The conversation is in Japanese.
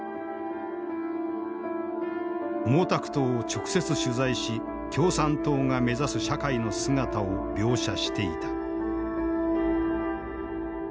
毛沢東を直接取材し共産党が目指す社会の姿を描写していた。